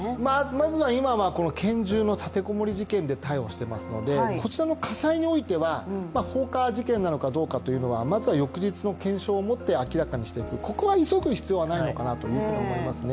まずは今はこの拳銃の立てこもり事件で逮捕していますのでこちらの火災においては放火事件なのかどうかというのはまずは翌日の検証をもって明らかにしていく、ここは急ぐ必要はないのかなというふうに思いますね。